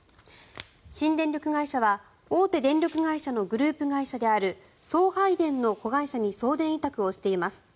新電力会社は、大手電力会社のグループ会社である送配電の子会社に送電委託をしています。